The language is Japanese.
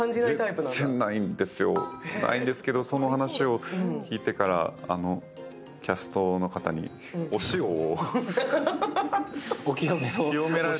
全然ないんですよ、でもその話を聞いてからキャストの方にお塩を。